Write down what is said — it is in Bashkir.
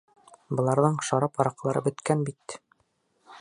Быларҙың шарап-араҡылары бөткән бит!